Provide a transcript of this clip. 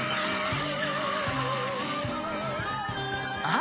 あ！